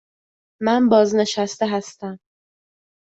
من بازنشسته هستم.